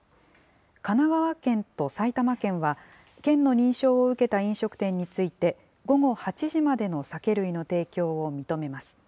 神奈川県と埼玉県は、県の認証を受けた飲食店について、午後８時までの酒類の提供を認めます。